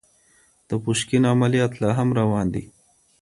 د پوشکين عمليات لا هم روان دي.